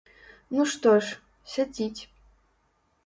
Ну што ж, сядзіць!